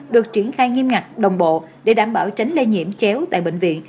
được triển khai nghiêm ngặt đồng bộ để đảm bảo tránh lây nhiễm chéo tại bệnh viện